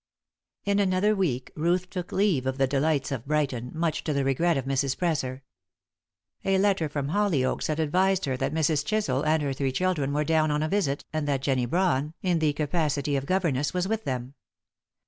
In another week Ruth took leave of the delights of Brighton, much to the regret of Mrs. Presser. A letter from Hollyoaks had advised her that Mrs. Chisel and her three children were down on a visit, and that Jennie Brawn, in the capacity of governess, was with them.